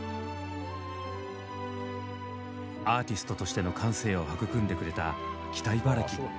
アーティストとしての感性を育んでくれた北茨城。